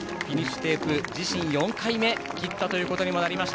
テープ自身４回目切ったということになりました。